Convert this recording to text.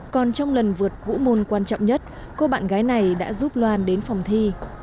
còn trong lần vượt vũ môn quan trọng nhất cô bạn gái này đã giúp loan đến phòng thi